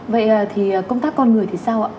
vậy thì công tác con người thì sao ạ